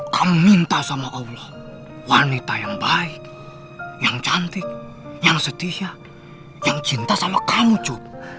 kamu minta sama allah wanita yang baik yang cantik yang sedih ya yang cinta sama kamu cu